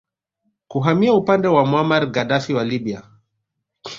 kuhamia upande wa Muammar Gaddafi wa Libya